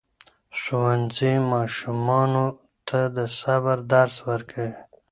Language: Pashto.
ښوونځي ماشومانو ته د صبر درس ورکوي.